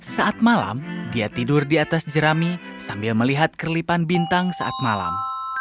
saat malam dia tidur di atas jerami sambil melihat kerlipan bintang saat malam